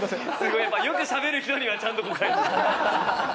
やっぱよくしゃべる人にはちゃんと。